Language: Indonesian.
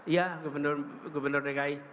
iya gubernur dki